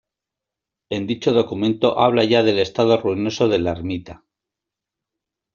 En dicho documento habla ya del estado ruinoso de la ermita.